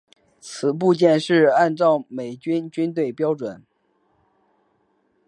此部件是按照美国军用标准。